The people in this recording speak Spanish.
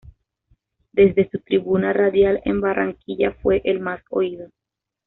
Desde su tribuna radial en Barranquilla fue el más oído.